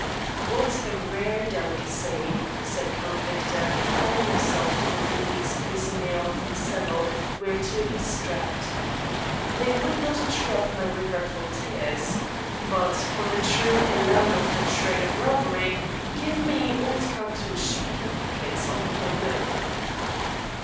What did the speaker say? "What a rare delicacy!" said Count Victor, applying himself to the release of his mail from the saddle whereto it was strapped. "They would not interrupt my regretful tears. But for the true élan of the trade of robbery, give me old Cartouche picking pockets on the Pont Neuf."